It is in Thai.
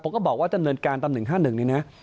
ผมก็บอกว่าจะเนินการตามหนึ่งห้าหนึ่งนี่นะ